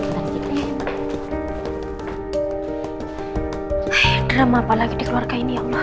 nelayan drama apalah gerade costing allah